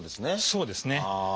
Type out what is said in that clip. そうですね。